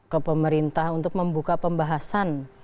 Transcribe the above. ke pemerintah untuk membuka pembahasan